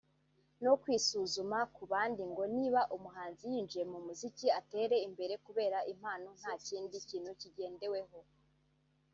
no kwisuzuma ku bandi ngo niba umuhanzi yinjiye mu muziki atere imbere kubera impano nta kindi kintu kigendeweho